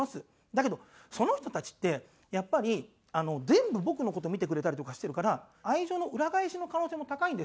だけどその人たちってやっぱり全部僕の事見てくれたりとかしてるから愛情の裏返しの可能性も高いんですよ。